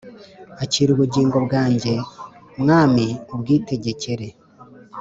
Akira ubugingo bwanjye mwami ubwitegekere